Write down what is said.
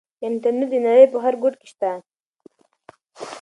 انټرنيټ د نړۍ په هر ګوټ کې شته.